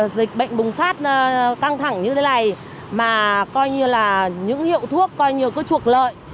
dịch bệnh bùng phát căng thẳng như thế này mà coi như là những hiệu thuốc coi như cứ trục lợi